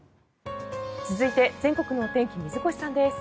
続いて全国のお天気水越さんです。